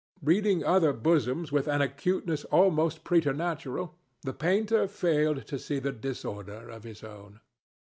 Reading other bosoms with an acuteness almost preternatural, the painter failed to see the disorder of his own.